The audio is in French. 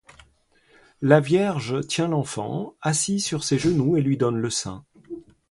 La Vierge tient l'Enfant assis sur ses genoux et lui donne le sein.